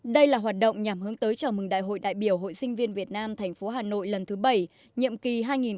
đây là hoạt động nhằm hướng tới chào mừng đại hội đại biểu hội sinh viên việt nam thành phố hà nội lần thứ bảy nhiệm kỳ hai nghìn hai mươi hai nghìn hai mươi năm